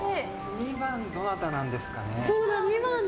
２番、どなたなんですかね。